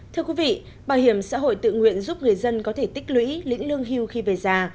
thưa quý vị bảo hiểm xã hội tự nguyện giúp người dân có thể tích lũy lĩnh lương hưu khi về già